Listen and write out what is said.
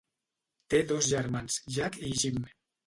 Té dos germans, Jack i Jim.